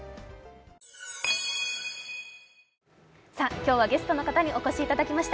今日はゲストの方にお越しいただきました。